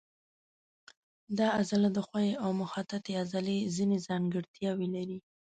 دا عضله د ښویې او مخططې عضلې ځینې ځانګړتیاوې لري.